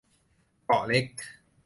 เกาะเล็ก